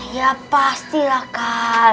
ya pastilah kal